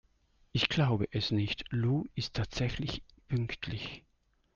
Ich glaube es nicht, Lou ist tatsächlich pünktlich!